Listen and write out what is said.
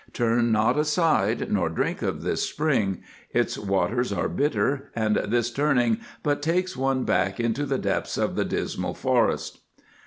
Turn not aside nor drink of this spring; its waters are bitter and this turning but takes one back into the depths of the dismal forest.